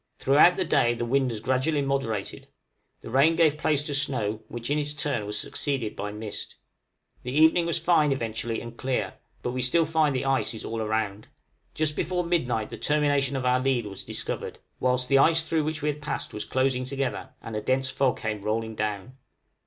Throughout the day the wind has gradually moderated: the rain gave place to snow, which in its turn was succeeded by mist. The evening was fine eventually and clear; but still we find the ice is all around. Just before midnight the termination of our lead was discovered, whilst the ice through which we had passed was closing together, and a dense fog came rolling down.